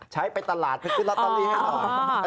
ใช้ไปตลอดเพิ่งขึ้นล็อตเตอรี่ให้หน่อย